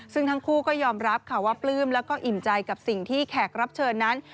ซึ่งทั้งคู่ก็ยอมรับค่ะว่าปลื้มแล้วก็อิ่มใจกับสิ่งที่แขกรับเชิญนั้น